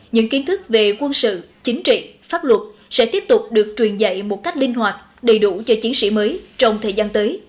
những kiến thức về quân sự chính trị pháp luật sẽ tiếp tục được truyền dạy một cách linh hoạt đầy đủ cho chiến sĩ mới trong thời gian tới